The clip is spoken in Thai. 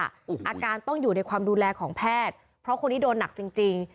อาการต้องอยู่ในความดูแลของแพทย์เพราะคนนี้โดนหนักจริงจริง